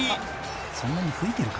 ［そんなに吹いてるか？